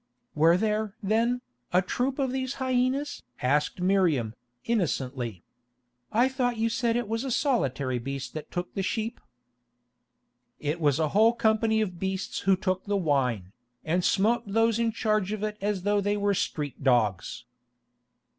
"Were there, then, a troop of these hyenas?" asked Miriam, innocently. "I thought you said it was a solitary beast that took the sheep." "It was a whole company of beasts who took the wine, and smote those in charge of it as though they were street dogs."